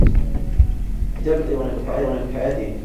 رجال الإطفاء يخاطرون بحياتهم.